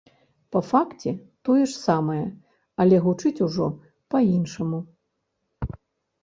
Па факце, тое ж самае, але гучыць ужо па-іншаму.